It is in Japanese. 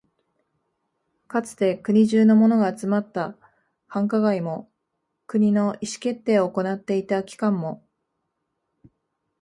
かつて国中のものが集まった繁華街も、国の意思決定を行っていた機関も、